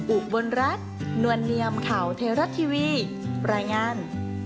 อุบลรัฐนวลเนียมข่าวไทยรัฐทีวีรายงาน